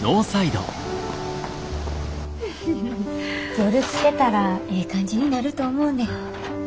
夜つけたらええ感じになると思うねん。